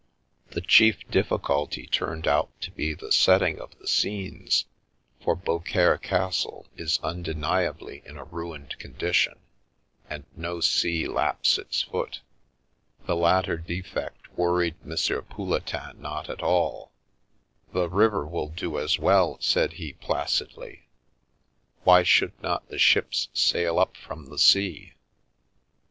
The chief difficulty turned out to be the setting of the scenes, for Beaucaire castle is undeniably in a ruined condition, and no sea laps its foot. The latter defect worried M. Pouletin not at all. " The river will do as well," said he, placidly. " Why should not the ships sail up from the sea?"